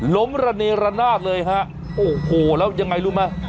ระเนรนาศเลยฮะโอ้โหแล้วยังไงรู้ไหม